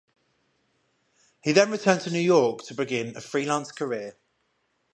He then returned to New York to begin a freelance career.